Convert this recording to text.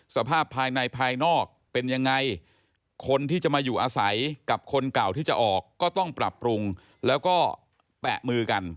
สภาพภายในภายนอกเป็นยังไงคนที่จะมาอยู่อาศัยกับคนเก่าที่จะออกก็ต้องปรับปรุงแล้วก็แปะมือกัน